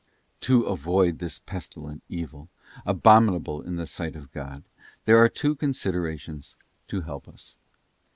To avoid this pestilent evil, abominable in the sight of God, there are two considerations to help us.